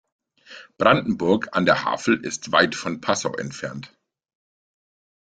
Brandenburg an der Havel ist weit von Passau entfernt